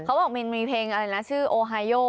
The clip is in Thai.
เขาบอกมินมีเพลงอะไรนะชื่อโอไฮโย